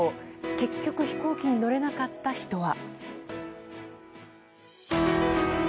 結局、飛行機に乗れなかった人は。